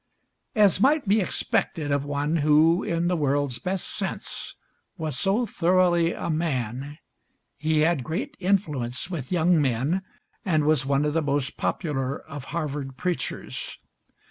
As might be expected of one who, in the word's best sense, was so thoroughly a man, he had great influence with young men and was one of the most popular of Harvard preachers.